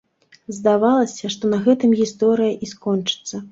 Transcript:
Здавалася, што на гэтым гісторыя і скончыцца.